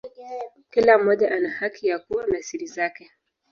Kila mmoja ana haki ya kuwa na siri zake.